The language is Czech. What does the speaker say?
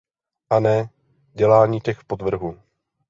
A ne dělání těch podvrhů.